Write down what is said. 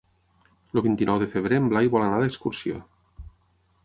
El vint-i-nou de febrer en Blai vol anar d'excursió.